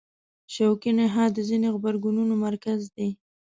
شوکي نخاع د ځینو غبرګونونو مرکز دی.